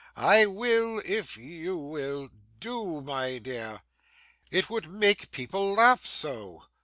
'I will, if you will. Do, my dear!' 'It would make people laugh so.